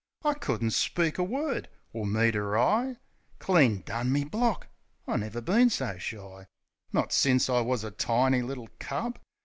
I couldn't speak a word, or meet 'er eye. Clean done me block! I never been so shy, Not since I wus a tiny little cub.